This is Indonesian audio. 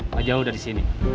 majau udah disini